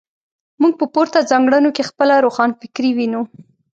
موږ په پورته ځانګړنو کې خپله روښانفکري وینو.